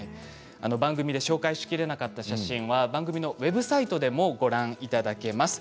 番組で紹介しきれなかった写真は番組のウェブサイトでもご覧いただけます。